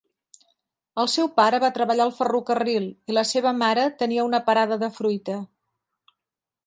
El seu pare va treballar al ferrocarril i la seva mare tenia una parada de fruita.